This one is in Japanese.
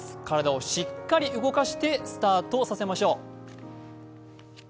体をしっかり動かしてスタートさせましょう。